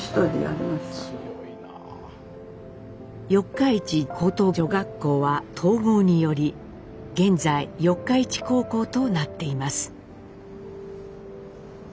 四日市高等女学校は統合により現在四日市高校となっています。